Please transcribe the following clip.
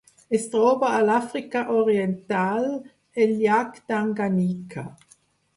Es troba a l'Àfrica Oriental: el llac Tanganyika.